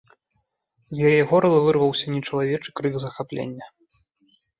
З яе горла вырваўся нечалавечы крык захаплення.